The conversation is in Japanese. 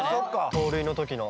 盗塁の時の。